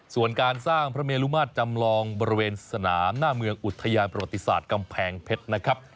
ส่วนการสร้างพระเมลุมาตรจำลองบริเวณสนามหน้าเมืองอุทยานประวัติศาสตร์กำแพงเพชรนะครับ